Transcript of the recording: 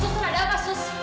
sus sus ada apa sus